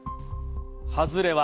外れは。